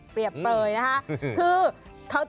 เปรียบเปลยนะคะ